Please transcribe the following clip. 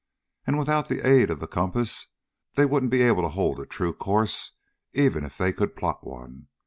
And without the aid of the compass they wouldn't be able to hold to a true course, even if they could plot one.